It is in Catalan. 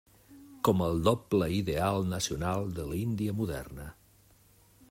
Com el doble ideal nacional de l'Índia moderna.